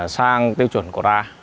sang tiêu chuẩn cora